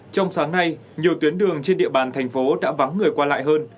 trong sáng nay nhiều tuyến đường trên địa bàn thành phố đã vắng người qua lại hơn